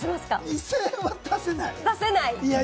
２０００円は出せない。